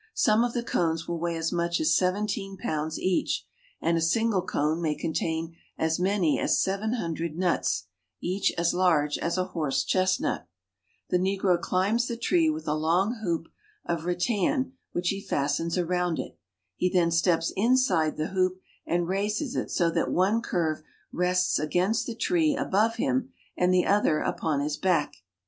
Some of the cones will weigh as much as sev enteen pounds each, and a single cone may con tain as many as seven hundred nuts, each as large asa horse chestnut. ■ LiH ine negro ciiniDs ihe A bunch of palm nuts. ^H !l\ /I tree wilh a long hoop ^H ^^^m^. of rattan which he fastens around it. He then steps inside the ^^'^^^j^^ hoop and raises it so that one curve rests against the tree above SiM him and the other m j^i^^^ upon his back.